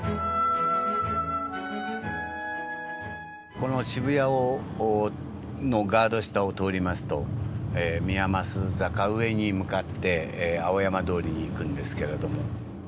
この渋谷のガード下を通りますと宮益坂上に向かって青山通りに行くんですけれども。